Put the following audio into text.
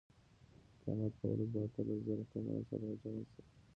د قیامت په ورځ به اتلس زره قومونه سره راجمع شي.